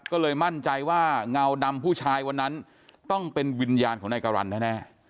ก็เลยมั่นใจว่าเงาดำผู้ชายวันนั้นต้องเป็นวิญญาณของนายการันแน่